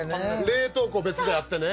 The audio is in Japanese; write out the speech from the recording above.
冷凍庫別であってね。